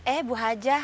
eh bu haja